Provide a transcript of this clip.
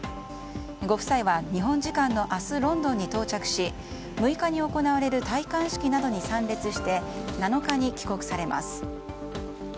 ご夫妻は日本時間の明日ロンドンに到着し６日に行われる戴冠式などに参列して７日に帰国されます。